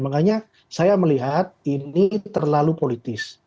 makanya saya melihat ini terlalu politis